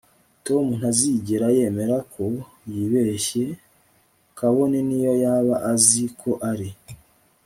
Tom ntazigera yemera ko yibeshye kabone niyo yaba azi ko ari